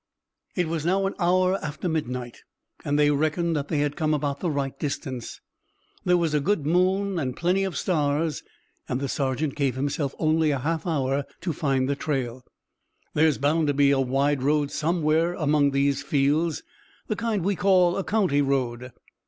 It was now an hour after midnight and they reckoned that they had come about the right distance. There was a good moon and plenty of stars and the sergeant gave himself only a half hour to find the trail. "There's bound to be a wide road somewhere among these fields, the kind we call a county road."